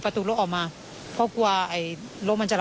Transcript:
ส่วนรถที่นายสอนชัยขับอยู่ระหว่างการรอให้ตำรวจสอบ